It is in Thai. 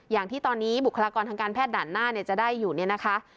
อย่างที่ตอนนี้บุคลากรทางการแพทย์ด่านหน้าเนี่ยจะได้อยู่เนี่ยนะคะ